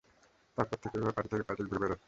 তার পর থেকেই এভাবে পার্টি থেকে পার্টি ঘুরে বেড়াচ্ছে।